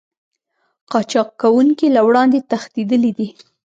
قاچاق کوونکي له وړاندې تښتېدلي دي